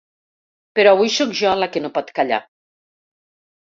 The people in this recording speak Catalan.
Però avui sóc jo la que no pot callar.